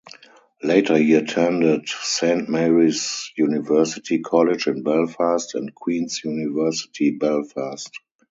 Later he attended Saint Mary's University College in Belfast and Queens University Belfast.